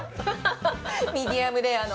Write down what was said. ミディアムレアの。